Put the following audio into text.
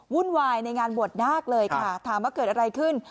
วุ่นวายในงานบวชนาคเลยค่ะถามว่าเกิดอะไรขึ้น